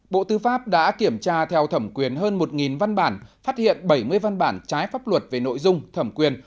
bộ tư pháp đã kiểm tra theo thẩm quyền hơn một văn bản phát hiện bảy mươi văn bản trái pháp luật về nội dung thẩm quyền